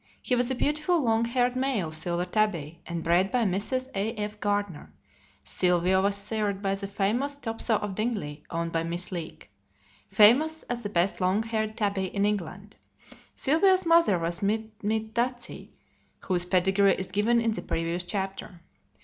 He was a beautiful long haired male silver tabby, and bred by Mrs. A.F. Gardner. Sylvio was sired by the famous Topso of Dingley (owned by Miss Leake), famous as the best long haired tabby in England. Sylvio's mother was Mimidatzi, whose pedigree is given in the previous chapter.